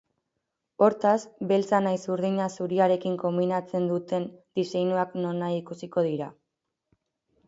Hortaz, beltza nahiz urdina zuriarekin konbinatzen duten diseinuak nonahi ikusiko dira.